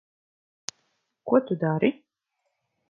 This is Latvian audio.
Ko tu dari?